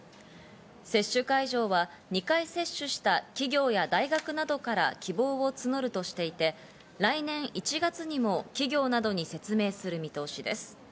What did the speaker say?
接種会場は２回接種した企業や大学などから希望を募るとしていて、来年１月にも企業などに説明する見通しです。